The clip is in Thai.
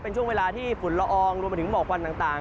เป็นช่วงเวลาที่ฝุ่นละอองรวมไปถึงหมอกวันต่าง